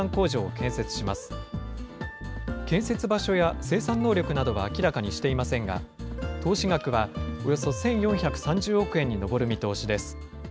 建設場所や生産能力などは明らかにしていませんが、投資額はおよそ１４３０億円に上る見通しです。